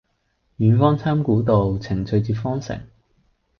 遠芳侵古道，晴翠接荒城。